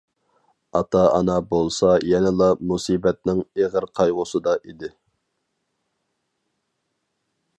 ئاتا-ئانا بولسا يەنىلا مۇسىبەتنىڭ ئېغىر قايغۇسىدا ئىدى.